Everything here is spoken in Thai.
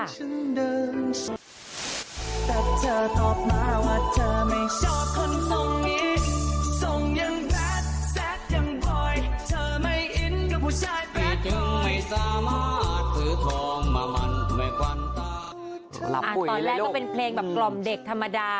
ตอนแรกก็เป็นเพลงแบบกล่อมเด็กธรรมดา